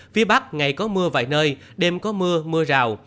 phía bắc ngày có mưa vài nơi đêm có mưa mưa rào